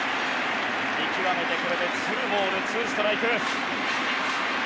見極めてこれでツーボールツーストライク。